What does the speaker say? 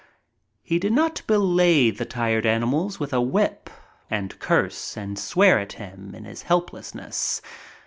He did not belay the tired animal with a whip and curse and swear at him in his helplessness.